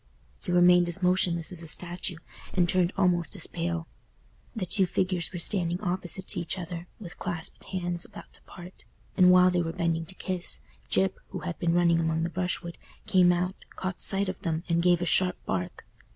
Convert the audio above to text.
He remained as motionless as a statue, and turned almost as pale. The two figures were standing opposite to each other, with clasped hands about to part; and while they were bending to kiss, Gyp, who had been running among the brushwood, came out, caught sight of them, and gave a sharp bark.